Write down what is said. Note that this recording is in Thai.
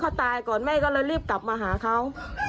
พอตายก่อนแม่ก็เลยรีบกลับมาหาเขา